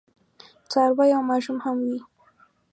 څاروي او ماشوم هم وي.